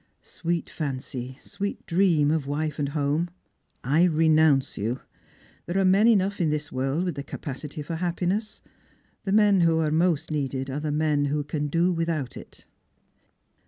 *' Sweet fancy, sweet dream of wife and home, I renounce you ! There are men enough in this world with the capacity for happiness. The men who are most needed are the men who can do without it."